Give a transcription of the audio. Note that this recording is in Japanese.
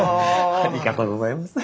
ありがとうございます。